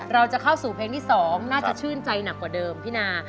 เราจะเข้าสู่เพลงที่๒น่าจะชื่นใจหนักกว่าเดิมพี่นา